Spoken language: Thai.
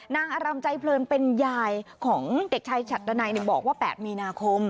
นางอารำใจเพลินเป็นยายของเด็กชายฉัดดันัยบอกว่า๘มีนาคม